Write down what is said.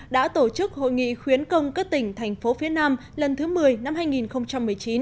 đã tổ chức hội nghị khuyến công các tỉnh thành phố phía nam lần thứ một mươi năm hai nghìn một mươi chín